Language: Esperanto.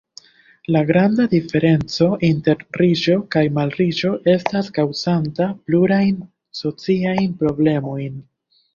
La granda diferenco inter riĉo kaj malriĉo estas kaŭzanta plurajn sociajn problemojn.